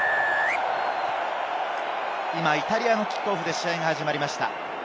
イタリアのキックオフで試合が始まりました。